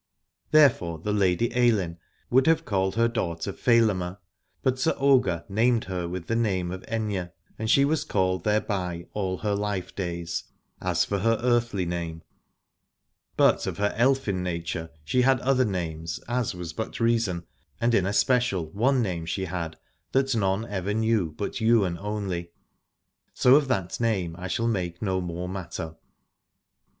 Therefore the Lady Ailinn would have called her daughter Fedelma, but Sir Ogier named her with the name of Aithne, and she was called thereby all her life days, as for her earthly name : but of her elfin nature she had other names, as was but reason, and in especial one name she had that none ever knew but Ywain only. So of that name I shall make no more matter.